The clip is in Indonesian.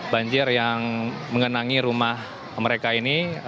banjir yang mengenangi rumah mereka ini